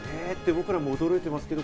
僕らも驚いてますけど、